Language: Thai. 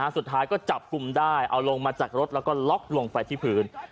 สุดท้ายก็จับกลุ่มได้เอาลงมาจากรถแล้วก็ล็อกลงไปที่พื้น